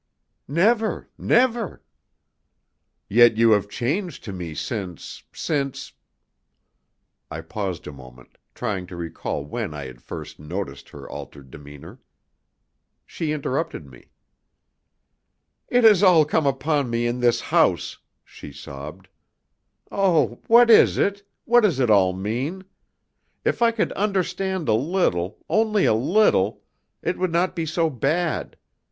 "Never never." "Yet you have changed to me since since " I paused a moment, trying to recall when I had first noticed her altered demeanour. She interrupted me. "It has all come upon me in this house," she sobbed. "Oh! what is it? What does it all mean? If I could understand a little only a little it would not be so bad.